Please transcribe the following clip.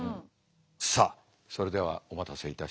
さあそれではお待たせいたしました。